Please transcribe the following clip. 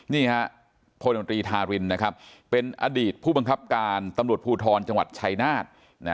นี่ฮะพลตรีธารินนะครับเป็นอดีตผู้บังคับการตำรวจภูทรจังหวัดชัยนาธ